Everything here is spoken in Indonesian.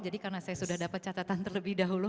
jadi karena saya sudah dapat catatan terlebih dahulu